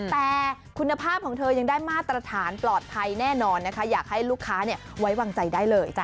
แต่คุณภาพของเธอยังได้มาตรฐานปลอดภัยแน่นอนนะคะอยากให้ลูกค้าไว้วางใจได้เลยจ้